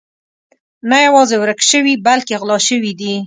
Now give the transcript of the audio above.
نه یوازې ورک شوي بلکې غلا شوي دي.